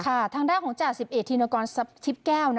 ค่ะทางด้านของจ่า๑๑๙